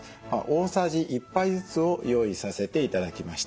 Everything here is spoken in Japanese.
大さじ１杯ずつを用意させて頂きました。